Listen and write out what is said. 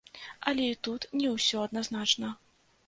Але і тут не ўсё адназначна.